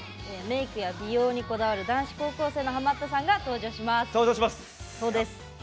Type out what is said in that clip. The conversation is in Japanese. メークや美容にこだわる男子高校生のハマったさんが登場します！